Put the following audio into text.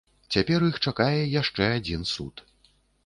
Цяпер іх чакае яшчэ адзін суд.